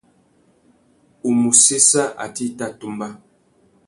U mù séssa atê i tà tumba.